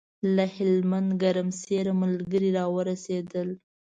له هلمند ګرمسېره ملګري راورسېدل.